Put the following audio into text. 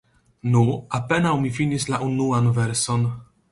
Nu, apenaŭ mi finis la unuan verson.